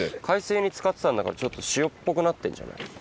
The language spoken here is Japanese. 海水つかってたんだからちょっと塩っぽくなってんじゃない？